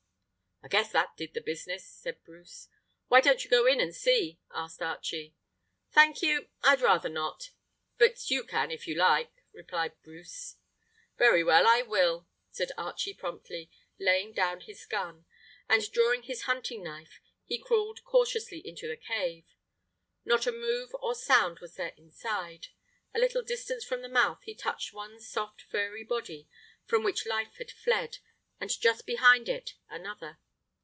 "I guess that did the business," said Bruce. "Why don't you go in and see?" asked Archie. "Thank you. I'd rather not; but you can, it you like," replied Bruce. "Very well, I will," said Archie promptly, laying down his gun. And, drawing his hunting knife, he crawled cautiously into the cave. Not a move or sound was there inside. A little distance from the mouth he touched one soft, furry body from which life had fled, and just behind it another.